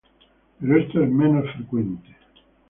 Pero esto es menos frecuente.